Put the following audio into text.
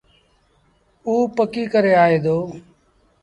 اُ پڪيٚ ڪري آئي دو۔